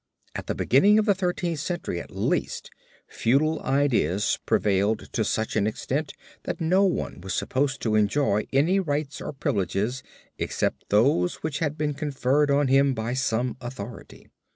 At the beginning of the Thirteenth Century at least, feudal ideas prevailed to such an extent that no one was supposed to enjoy any rights or privileges except those which had been conferred on him by some authority.